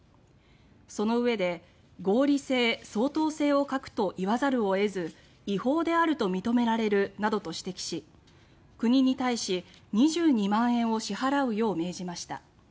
そのうえで合理性、相当性を欠くと言わざるを得ず違法であると認められるなどと指摘し国に対し２２万円を支払うよう命じました。